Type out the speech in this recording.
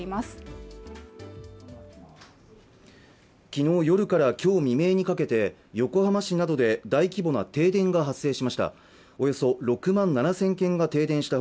昨日夜から今日未明にかけて横浜市などで大規模な停電が発生しました